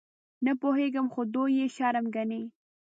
_نه پوهېږم، خو دوی يې شرم ګڼي.